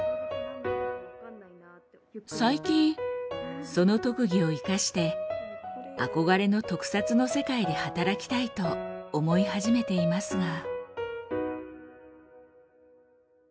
最近その特技を生かして憧れの特撮の世界で働きたいと思い始めていますが。